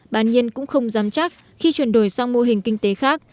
bán nhiên cũng không dám chắc khi chuyển đổi sang mô hình kinh tế khác